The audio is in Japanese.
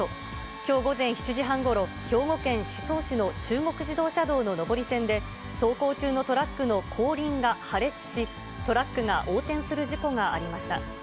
きょう午前７時半ごろ、兵庫県宍粟市の中国自動車道の上り線で、走行中のトラックの後輪が破裂し、トラックが横転する事故がありました。